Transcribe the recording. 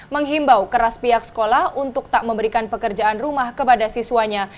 menghimbau keras pihak sekolah untuk tak memberikan pekerjaan rumah kepada siswanya